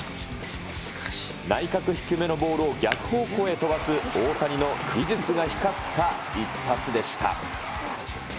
内角低めのボールを逆方向へ飛ばす大谷の技術が光った一発でした。